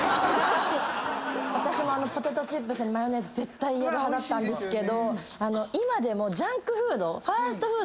私もポテトチップスにマヨネーズ絶対やる派だったんですけど今でも。